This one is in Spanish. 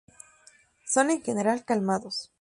Son en general calmados.